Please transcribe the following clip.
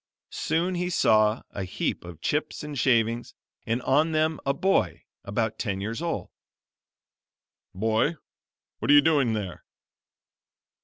Soon he saw a heap of chips and shavings, and on them a boy about ten years old. "Boy, what are you doing there?"